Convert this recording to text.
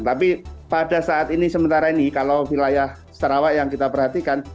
tapi pada saat ini sementara ini kalau wilayah sarawak yang kita perhatikan